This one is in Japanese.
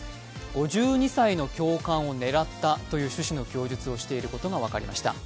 ５２歳の共感を狙ったという趣旨の供述をしていることが分かりました。